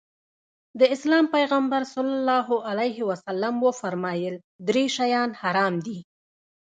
د اسلام پيغمبر ص وفرمايل درې شيان حرام دي.